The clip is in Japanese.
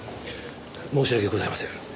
申し訳ございません。